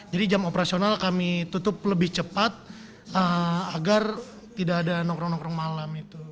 jadi jam operasional kami tutup lebih cepat agar tidak ada nongkrong nongkrong malam